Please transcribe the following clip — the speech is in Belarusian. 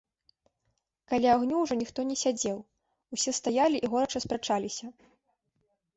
Каля агню ўжо ніхто не сядзеў, усе стаялі і горача спрачаліся.